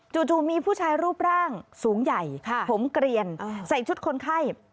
จู่มีผู้ชายรูปร่างสูงใหญ่ผมเกลียนใส่ชุดคนไข้